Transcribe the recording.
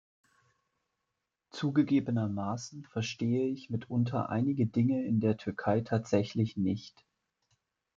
Zugegebenermaßen verstehe ich mitunter einige Dinge in der Türkei tatsächlich nicht.